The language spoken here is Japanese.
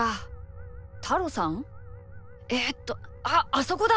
えっとあっあそこだ！